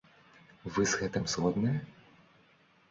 Вы з гэтым згодныя?